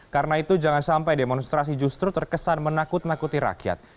karena itu jangan sampai demonstrasi justru terkesan menakut nakuti rakyat